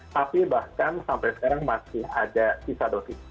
tapi bahkan sampai sekarang masih ada sisa dosis